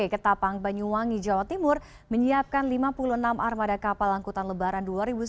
ketapang banyuwangi jawa timur menyiapkan lima puluh enam armada kapal angkutan lebaran dua ribu sembilan belas